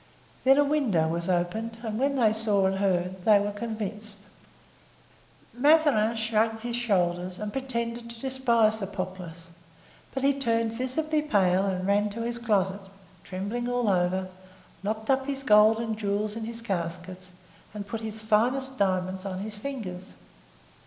Then a window was opened and when they saw and heard they were convinced. Mazarin shrugged his shoulders and pretended to despise the populace; but he turned visibly pale and ran to his closet, trembling all over, locked up his gold and jewels in his caskets and put his finest diamonds on his fingers.